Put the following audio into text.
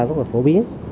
rất là phổ biến